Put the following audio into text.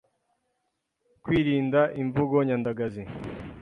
Kwirinda imvugo nyandagazi